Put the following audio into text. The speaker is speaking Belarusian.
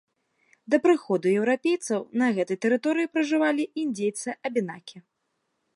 Да прыходу еўрапейцаў на гэтай тэрыторыі пражывалі індзейцы-абенакі.